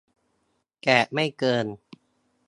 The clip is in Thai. แต่ไม่เกิน